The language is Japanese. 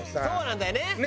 そうなんだよね！